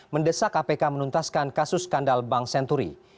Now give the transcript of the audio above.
mendesak kpk menuntaskan kasus skandal bank senturi